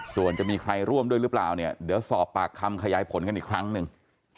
ส่วนจะมีใครร่วมด้วยหรือเปล่าเนี่ยเดี๋ยวสอบปากคำขยายผลกันอีกครั้งหนึ่ง